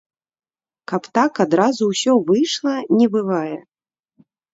Каб так адразу ўсё выйшла, не бывае.